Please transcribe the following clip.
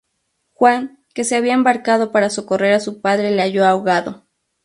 Juan, que se había embarcado para socorrer a su padre, le halló ahogado.